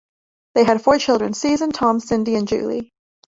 They had four children: Suzan, Tom, Cindy, and Julie.